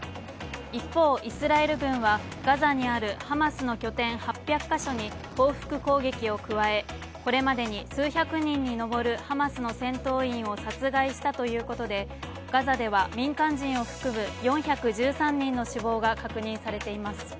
一方、イスラエル軍はガザにあるハマスの拠点８００か所に報復攻撃を加え、これまでに数百人に上るハマスの戦闘員を殺害したということで、ガザでは民間人を含む４１３人の死亡が確認されています。